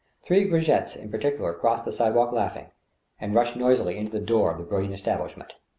Three grisettes in particular crossed the sidewalk laughing, and rushed noisily into the door of the brilliant establishment.